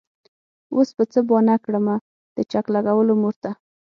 وس به څۀ بهانه کړمه د چک لګولو مور ته